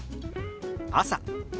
「朝」。